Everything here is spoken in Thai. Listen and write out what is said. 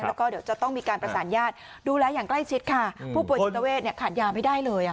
แล้วก็เดี๋ยวจะต้องมีการประสานญาติดูแลอย่างใกล้ชิดค่ะผู้ป่วยจิตเวทเนี่ยขาดยาไม่ได้เลย